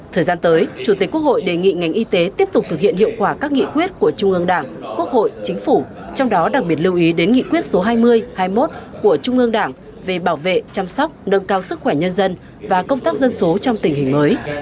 thời gian tới chủ tịch quốc hội đề nghị ngành y tế tiếp tục thực hiện hiệu quả các nghị quyết của trung ương đảng quốc hội chính phủ trong đó đặc biệt lưu ý đến nghị quyết số hai mươi hai mươi một của trung ương đảng về bảo vệ chăm sóc nâng cao sức khỏe nhân dân và công tác dân số trong tình hình mới